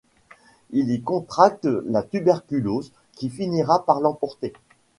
Il y contracte la tuberculose qui finira par l'emporter.